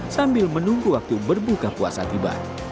sambil menunggu waktu berbuka puasa tiba